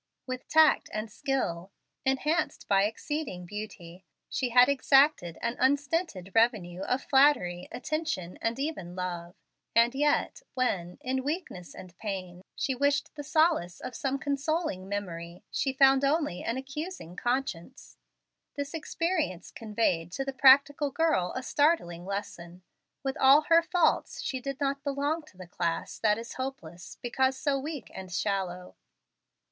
With tact and skill, enhanced by exceeding beauty, she had exacted an unstinted revenue of flattery, attention, and even love; and yet, when, in weakness and pain, she wished the solace of some consoling memory, she found only an accusing conscience. This experience conveyed to the practical girl a startling lesson. With all her faults, she did not belong to the class that is hopeless, because so weak and shallow.